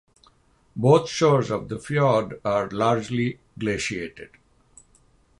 Both shores of the fjord are largely glaciated.